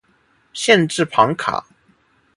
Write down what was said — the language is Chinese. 县治庞卡。